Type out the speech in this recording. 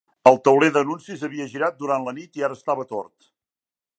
El tauler d'anuncis havia girat durant la nit i ara estava tort.